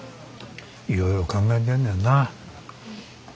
いろいろ考えてんねんな。